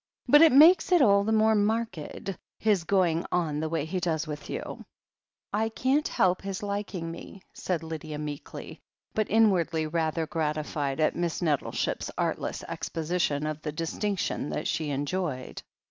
But it makes it all the more marked, his going on the way he does with you." "I can't help his liking me," said Lydia meekly, but THE HEEL OF ACHILLES 163 inwardly rather gratified at Miss Nettleship's artless exposition of the distinction that she enjoyed.